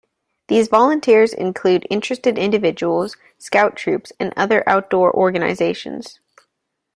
These volunteers include interested individuals, scout troops, and other outdoor organizations.